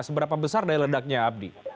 seberapa besar dari ledaknya abdi